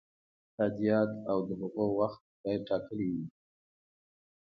تادیات او د هغو وخت باید ټاکلی وي.